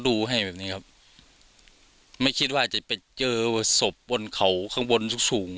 ดูให้แบบนี้ครับไม่คิดว่าจะไปเจอศพบนเขาข้างบนสูงสูง